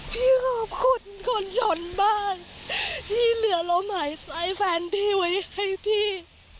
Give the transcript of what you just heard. พี่ขอบคุณคนชนบ้านที่เหลือลมหายใจแฟนพี่ไว้ให้พี่